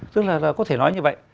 tức là có thể nói như vậy